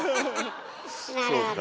なるほど。